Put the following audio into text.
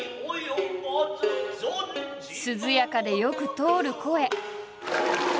涼やかでよく通る声。